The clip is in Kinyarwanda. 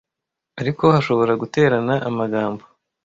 Ariko hashobora guterana amagambo